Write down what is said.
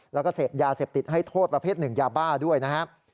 แล้วก็เสพยาเสพติดให้โทษประเภทหนึ่งยาบ้าด้วยนะครับ